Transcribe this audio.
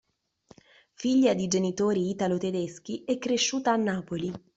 Figlia di genitori italo-tedeschi, è cresciuta a Napoli.